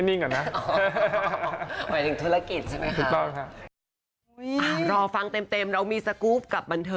มีข่าวเลยว่าคุณการจะได้งานที่ตกใจมาก